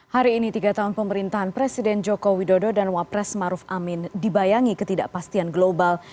hari ini tiga tahun pemerintahan presiden joko widodo dan wapres maruf amin dibayangi ketidakpastian global